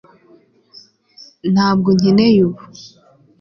ntabwo nkeneye ubu